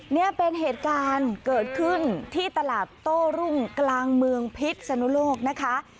นี่เป็นเหตุการณ์เกิดขึ้นที่ตลาดโต้รุ่งกลางเมืองพิษสนุโลกนะคะ